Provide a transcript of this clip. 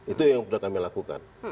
itu yang sudah kami lakukan